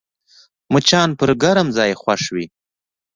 مچان پر ګرم ځای خوښ وي